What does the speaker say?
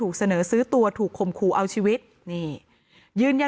และการแสดงสมบัติของแคนดิเดตนายกนะครับ